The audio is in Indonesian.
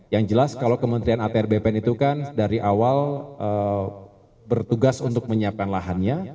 yang jelas kalau kementerian atr bpn itu kan dari awal bertugas untuk menyiapkan lahannya